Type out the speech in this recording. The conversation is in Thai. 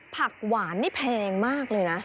ผักหวานนี่แพงมากเลยนะ